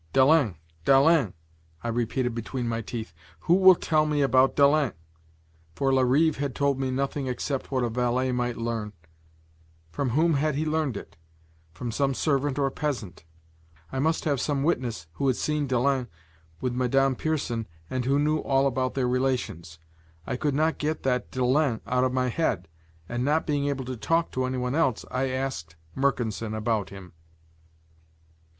"Dalens! Dalens!" I repeated, between my teeth, "who will tell me about Dalens?" For Larive had told me nothing except what a valet might learn. From whom had he learned it? From some servant or peasant. I must have some witness who had seen Dalens with Madame Pierson and who knew all about their relations. I could not get that Dalens out of my head, and not being able to talk to any one else, I asked Mercanson about him.